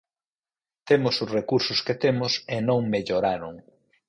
Temos os recursos que temos e non melloraron.